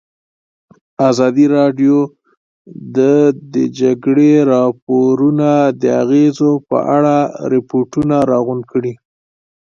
ازادي راډیو د د جګړې راپورونه د اغېزو په اړه ریپوټونه راغونډ کړي.